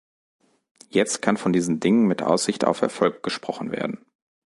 Jetzt kann von diesen Dingen mit Aussicht auf Erfolg gesprochen werden.